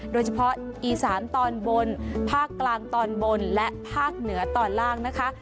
โดยเฉพาะอีสานตอนบนภาคกลางตอนบนและภาคเหนือตอนล่างนะคะ